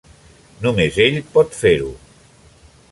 Només ell pot fer-ho.